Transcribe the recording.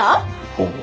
ほう。